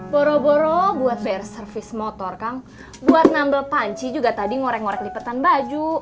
boro boro buat bayar service motor kang buat nambel panci juga tadi ngorek ngorek lipetan baju